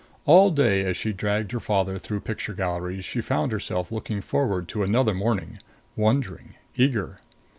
All day, as she dragged her father through picture galleries, she found herself looking forward to another morning, wondering, eager.